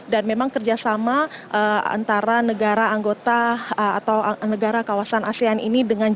dan memang kerjasama antara negara anggota atau negara kawasan asean ini